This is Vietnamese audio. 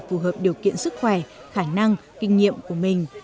phù hợp điều kiện sức khỏe khả năng kinh nghiệm của mình